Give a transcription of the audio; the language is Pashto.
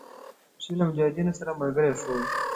مولوی بشیر له مجاهدینو سره ملګري شول.